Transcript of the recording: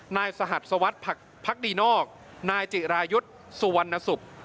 นายสหัสวัตรภัคดีนอกนายจิรายุทธิ์สุวรรณสุพธิ์